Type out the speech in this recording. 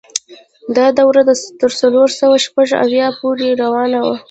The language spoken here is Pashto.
دا دوره تر څلور سوه شپږ اویا پورې روانه وه.